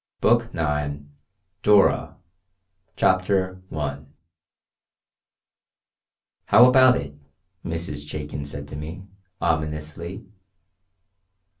BOOK IX DORA CHAPTER I "HOW about it?" Mrs. Chaikin said to me, ominously.